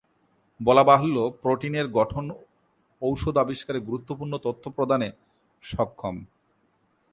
বলা বাহুল্য, প্রোটিনের গঠন ঔষধ আবিষ্কারে গুরুত্বপূর্ণ তথ্য প্রদানে সক্ষম।